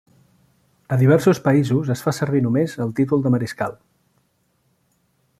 A diversos països es fa servir només el títol de mariscal.